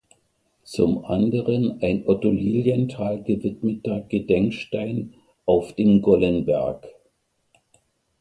Zum anderen ein Otto Lilienthal gewidmeter Gedenkstein auf dem Gollenberg.